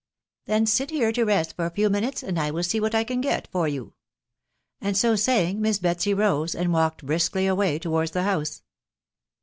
tf Then sit here to rest for a few minutes, and I will see what I can get for you:" and so saying, Miss Betsy rose, and walked briskly away towards the house.